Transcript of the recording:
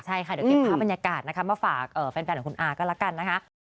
ใช่ค่ะเดี๋ยวเก็บภาพบรรยากาศนะคะมาฝากแฟนของคุณอาก็แล้วกันนะคะ